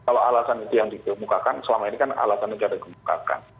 kalau alasan itu yang digemukakan selama ini kan alasan itu tidak digemukakan